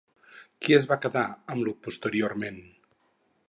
Qui es va quedar amb Io posteriorment?